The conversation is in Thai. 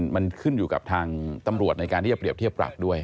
มันขึ้นอยู่กับทางตำรวจในการที่จะเรียบเทียบปรับด้วย